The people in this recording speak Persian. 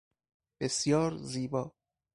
بسیار زیبا